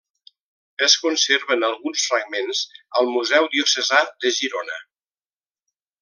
Es conserven alguns fragments al museu diocesà de Girona.